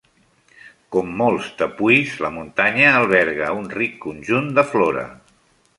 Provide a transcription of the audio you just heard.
Com molts tepuis, la muntanya alberga un ric conjunt de flora.